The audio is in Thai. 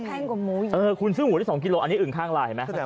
แพงกว่าหมูอย่างนี้เออคุณซื้อหมูได้๒กิโลอันนี้อึ่งข้างลายเห็นไหม